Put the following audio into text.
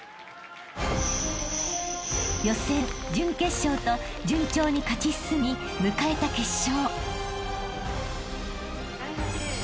［予選準決勝と順調に勝ち進み迎えた決勝］